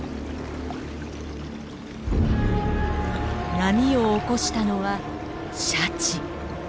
波を起こしたのはシャチ。